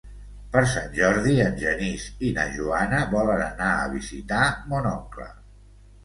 Per Sant Jordi en Genís i na Joana volen anar a visitar mon oncle.